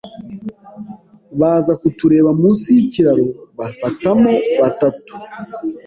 baza kutureba munsi y’ikiraro bafatamo batatu